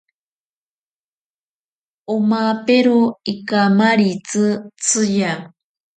Omapero ikamaritzi tsiya.